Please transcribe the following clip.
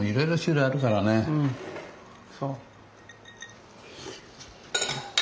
そう。